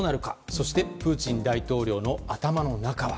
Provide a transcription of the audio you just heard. そしてプーチン大統領の頭の中は。